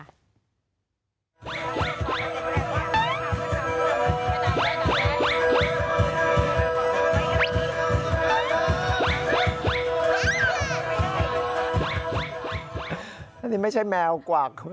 อันนี้ไม่ใช่แมวกวัก